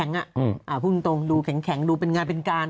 เอ้าคุณผู้จริงตรงดูแข็งดูเป็นงานเป็นการ